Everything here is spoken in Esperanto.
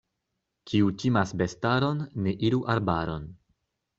Kiu timas bestaron, ne iru arbaron.